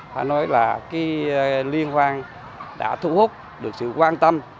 phải nói là liên hoan đã thu hút được sự quan tâm